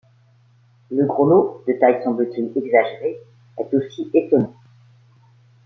Le grelot, de taille semble-t-il exagérée, est aussi étonnant.